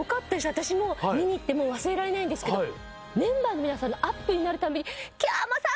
私も見に行ってもう忘れられないんですけどメンバーの皆さんがアップになる度にキャー！